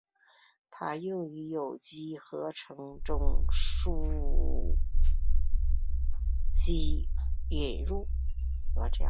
它用于有机合成中巯基的引入。